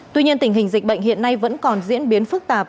tuy nhiên tình hình dịch bệnh hiện nay vẫn còn diễn biến phức tạp